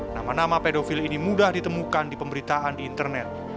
nama nama pedofil ini mudah ditemukan di pemberitaan di internet